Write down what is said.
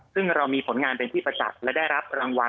ซึ่งเรามีผลงานเป็นที่ประจักษ์และได้รับรางวัล